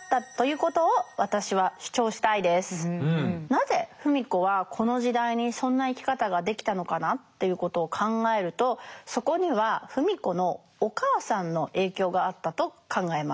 なぜ芙美子はこの時代にそんな生き方ができたのかなということを考えるとそこには芙美子のお母さんの影響があったと考えます。